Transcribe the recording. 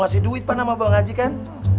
mau ngasih duit sama bang haji kan